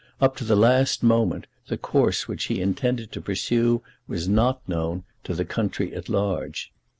Up to the last moment the course which he intended to pursue was not known to the country at large.